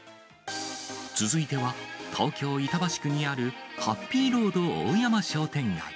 続いては東京・板橋区にある、ハッピーロード大山商店街。